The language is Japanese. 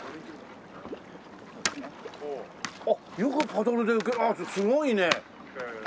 よくパドルですごいね。